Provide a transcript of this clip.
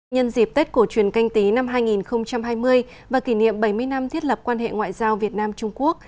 nhân dịp tết cổ truyền canh tí năm hai nghìn hai mươi và kỷ niệm bảy mươi năm thiết lập quan hệ ngoại giao việt nam trung quốc